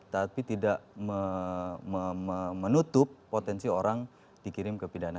tapi tidak menutup potensi orang dikirim ke pidana